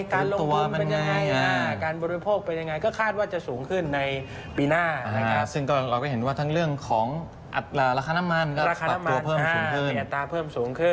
การลงกลุ่มเป็นยังไงการบริโภคเป็นยังไงก็คาดว่าจะสูงขึ้นในปีหน้านะครับ